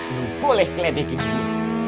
lu boleh keledekin gua